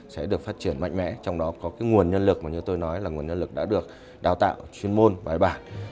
sẽ được phát triển mạnh mẽ trong đó có cái nguồn nhân lực mà như tôi nói là nguồn nhân lực đã được đào tạo chuyên môn bài bản